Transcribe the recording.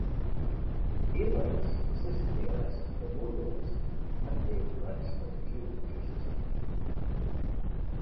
Airlines consistently ask for low noise, and then maximum fuel efficiency.